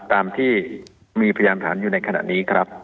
ตามที่มีพยานฐานอยู่ในขณะนี้ครับ